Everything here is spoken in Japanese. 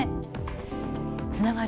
つながる！